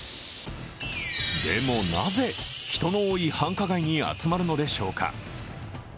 でも、なぜ人の多い繁華街に集まるのでしょうか。